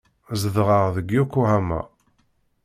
Zedɣeɣ deg Yokohama.